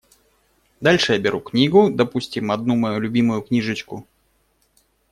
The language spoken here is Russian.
Дальше я беру книгу, допустим, одну мою любимую книжечку.